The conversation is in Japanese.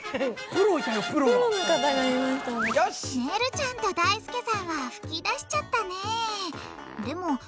ねるちゃんとだいすけさんは噴き出しちゃったね。